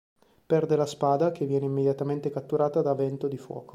Perde la spada che viene immediatamente catturata da Vento di Fuoco.